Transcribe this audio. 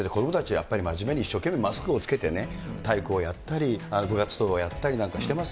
やっぱり真面目に一生懸命マスクをつけて体育をやったり、部活動をやったりなんかしてます。